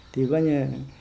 thì coi như